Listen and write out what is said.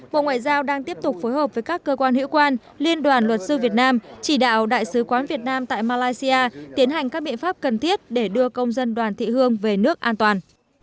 bộ ngoại giao đang tiếp tục phối hợp với các cơ quan hữu quan liên đoàn luật sư việt nam chỉ đạo đại sứ quán việt nam tại malaysia tiến hành các biện pháp cần thiết để đưa công dân đoàn thị hương về nước an toàn